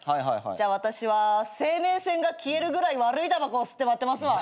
じゃあ私は生命線が消えるぐらい悪いたばこを吸って待ってますわ。